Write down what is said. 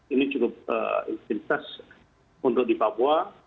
ini cukup identitas untuk di papua